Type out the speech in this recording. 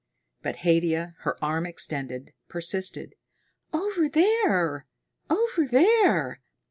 But Haidia, her arm extended, persisted, "Over there! Over there!"